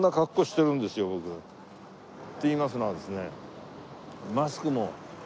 といいますのはですね。